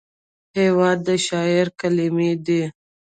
هېواد د شاعر کلمې دي.